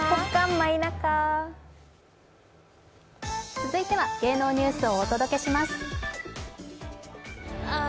続いては芸能ニュースをお届けします。